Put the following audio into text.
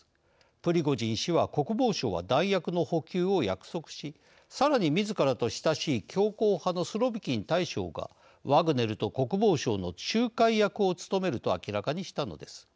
プリゴジン氏は国防省は弾薬の補給を約束しさらにみずからと親しい強硬派のスロビキン大将がワグネルと国防省の仲介役を務めると明らかにしたのです。